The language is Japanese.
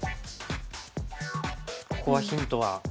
ここはヒントは。